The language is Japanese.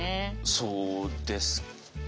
そうですか。